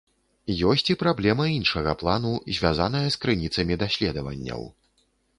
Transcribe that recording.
Ёсць і праблема іншага плану, звязаная з крыніцамі даследаванняў.